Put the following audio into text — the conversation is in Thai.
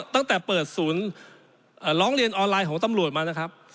ตั้งแต่เปิดศูนย์ร้องเรียนออนไลน์ของตำรวจมานะครับ